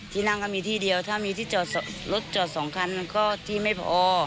ที่นั่งก็มีที่เดียวถ้ามีที่จอดรถจอด๒คันก็ที่ไม่พอ